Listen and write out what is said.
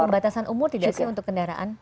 pembatasan umur tidak sih untuk kendaraan